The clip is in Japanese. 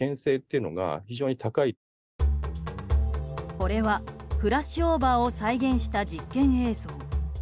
これは、フラッシュオーバーを再現した実験映像。